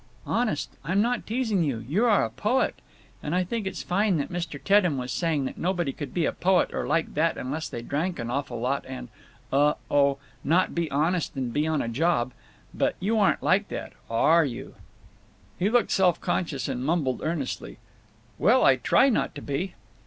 "Honest; I'm not teasing you; you are a poet. And I think it's fine that Mr. Teddem was saying that nobody could be a poet or like that unless they drank an awful lot and—uh—oh, not be honest and be on a job. But you aren't like that. Are you?" He looked self conscious and mumbled, earnestly, "Well, I try not to be."